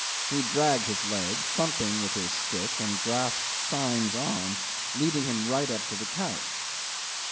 He dragged his leg, thumping with his stick, and grasped Stein's arm, leading him right up to the couch.